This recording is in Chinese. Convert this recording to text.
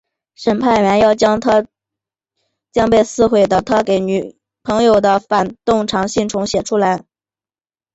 审判员要他将被撕毁的他给女友的反动长信重写出来。